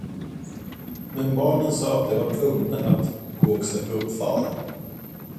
Men barnen sade att de var tvungna att gå och söka upp far.